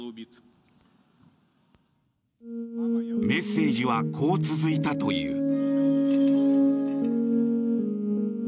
メッセージはこう続いたという。